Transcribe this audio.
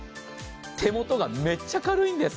手元がめっちゃ軽いんです。